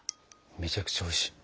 めちゃくちゃおいしい。